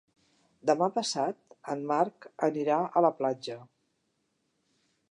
Demà passat en Marc anirà a la platja.